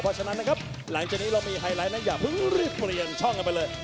เพราะฉะนั้นนะครับหลังจากนี้เรามีไฮไลท์นะอย่าเพิ่งรีบเปลี่ยนช่องกันไปเลย